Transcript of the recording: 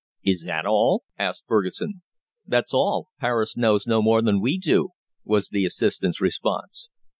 '" "Is that all?" asked Fergusson. "That's all. Paris knows no more than we do," was the assistant's response.